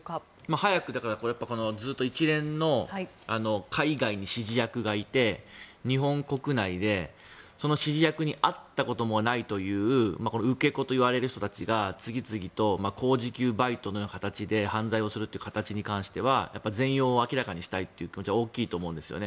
早く、ずっと一連の海外に指示役がいて日本国内で、その指示役に会ったこともないという受け子といわれる人たちが次々と高時給バイトの形で犯罪をするという形に関しては全容を明らかにしたいという気持ちは大きいと思うんですよね。